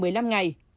trong thời gian này